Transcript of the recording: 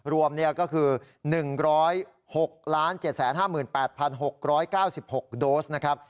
รวมก็คือ๑๐๖๗๕๘๖๙๖โดส